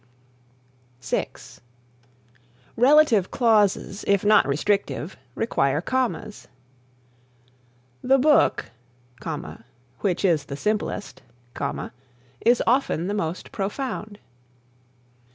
(6) Relative clauses, if not restrictive, require commas: "The book, which is the simplest, is often the most profound."